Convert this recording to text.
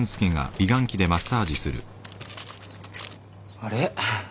あれ？